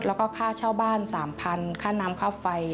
แล้วก็ค่าเช่าบ้าน๓๐๐ค่าน้ำค่าไฟ